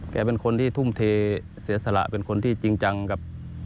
เป็นคนที่ทุ่มเทเสียสละเป็นคนที่จริงจังกับ